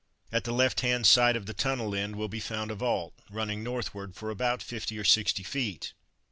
At the left hand side of the tunnel end will be found a vault, running northward for about fifty or sixty feet.